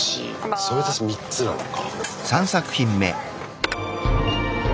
それで３つなのか。